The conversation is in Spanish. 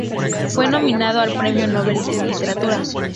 Fue nominado al premio Nobel de Literatura.